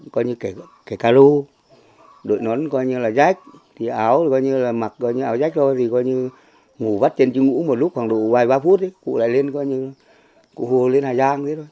cái caro đội nón coi như là jack thì áo thì coi như là mặc áo jack thôi thì coi như ngủ vắt trên chú ngủ một lúc khoảng đủ vài ba phút thì cụ lại lên coi như cụ hồ lên hà giang thế thôi